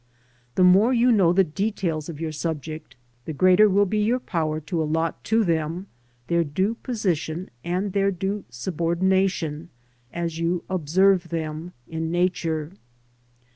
The more you know the details of your subject, the greater will be your power to allot to them their due position and their due subordination as you observe them in Nature.